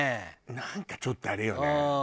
なんかちょっとあれよね。